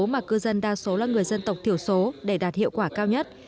mà cư dân đa số là người dân tộc thiểu số để đạt hiệu quả cao nhất